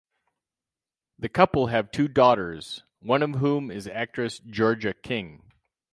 The couple have two daughters, one of whom is actress Georgia King.